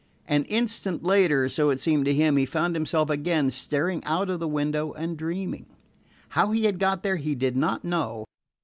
An instant later, so it seemed to him, he found himself again staring out of the window and dreaming. How he had got there he did not know.